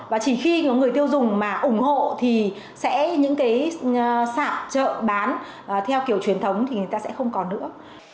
và chỉ khi người tiêu dùng mà ủng hộ thì sẽ những cái sản chợ bán theo kiểu truyền thống thì người ta sẽ không còn nữa